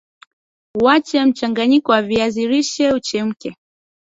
wacha mchanganyiko wa viazi lishe uchamke